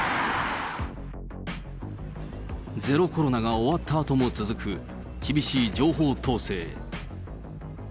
ゼロコロナが終わったあとも続く、厳しい情報統制。